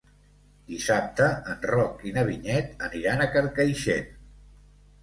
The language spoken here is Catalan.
Dissabte en Roc i na Vinyet aniran a Carcaixent.